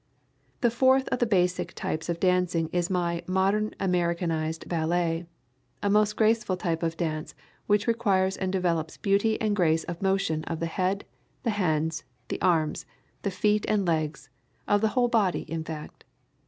The fourth of the basic types of dancing is my Modern Americanized Ballet, a most graceful type of dance which requires and developes beauty and grace of motion of the head, the hands, the arms, the feet and legs, of the whole body, in fact.